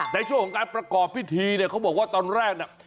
ในช่วงของการประกอบพิธีเนี่ยเขาบอกว่าตอนแรกน่ะ